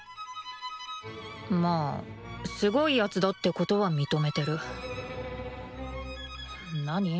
まあすごい奴だってことは認めてる何？